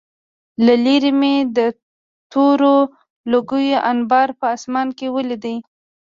له لېرې مې د تورو لوګیو انبار په آسمان کې ولید